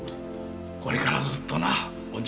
これからずっとなおじい